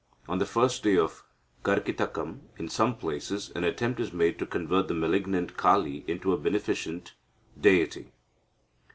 On the first day of Karkitakam, in some places, an attempt is made to convert the malignant Kali into a benificent deity.